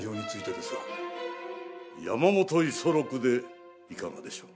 山本五十六でいかがでしょう？